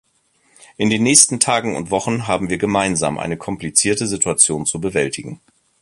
In den nächsten Tagen und Wochen haben wir gemeinsam eine komplizierte Situation zu bewältigen.